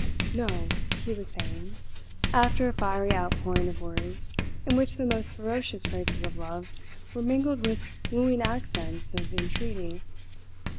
"No!" he was saying, after a fiery outpouring of words in which the most ferocious phrases of love were mingled with wooing accents of entreaty.